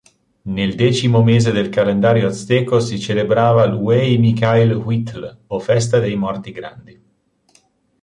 Nel decimo mese del calendario azteco, si celebrava l'Ueymicailhuitl, o festa dei morti grandi.